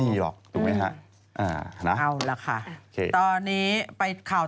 พี่ชอบแซงไหลทางอะเนาะ